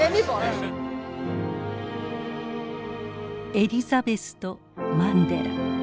エリザベスとマンデラ。